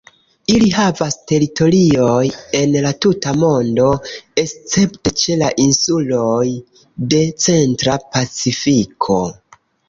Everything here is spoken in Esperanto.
Ili havas teritoriojn en la tuta mondo, escepte ĉe la insuloj de centra Pacifiko.